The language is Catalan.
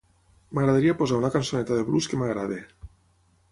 M'agradaria posar una cançoneta de blues que m'agradi.